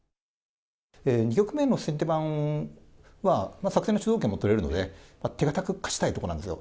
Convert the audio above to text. ２局目の先手番は、作戦の主導権も取れるので、手堅く勝ちたいところなんですよ。